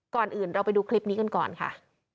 ก่อนอื่นเราไปดูคลิปนี้กันก่อนค่ะ